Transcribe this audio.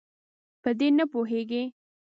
په دې نه پوهیږي.